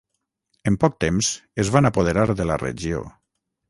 En poc temps es van apoderar de la regió.